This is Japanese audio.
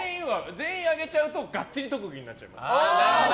全員あげちゃうとがっちり特技になっちゃいます。